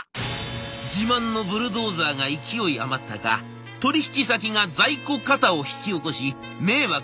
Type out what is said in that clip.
自慢のブルドーザーが勢い余ったか取引先が在庫過多を引き起こし迷惑をかける非常事態に。